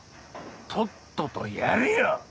とっととやれよ！